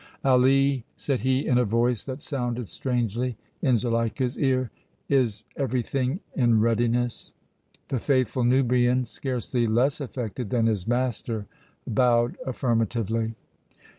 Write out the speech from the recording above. "Ali," said he, in a voice that sounded strangely in Zuleika's ear, "is everything in readiness?" The faithful Nubian, scarcely less affected than his master, bowed affirmatively.